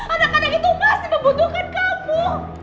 anak anak itu pasti membutuhkan kamu